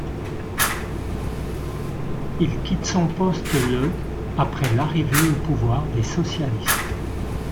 Il quitte son poste le après l'arrivée au pouvoir des socialistes.